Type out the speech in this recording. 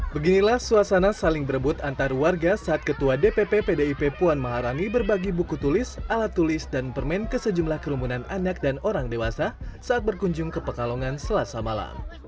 beginilah suasana saling berebut antar warga saat ketua dpp pdip puan maharani berbagi buku tulis alat tulis dan permen ke sejumlah kerumunan anak dan orang dewasa saat berkunjung ke pekalongan selasa malam